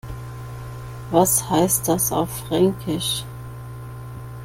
Was heißt das auf Fränkisch?